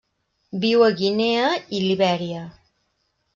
Viu a Guinea i Libèria.